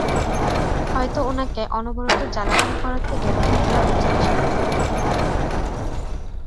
হয়ত উনাকে অনরবত জ্বালাতন করা থেকে রেহাই দেয়া উচিত ছিল।